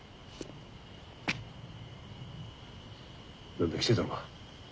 何だ来てたのか。